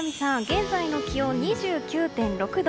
現在の気温２９．６度。